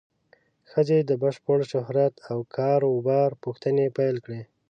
ښځې د بشپړ شهرت او کار و بار پوښتنې پیل کړې.